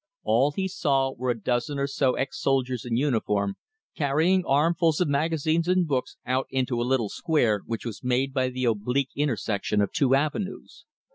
All he saw were a dozen or so ex soldiers in uniform carrying armfuls of magazines and books out into a little square, which was made by the oblique intersection of two avenues.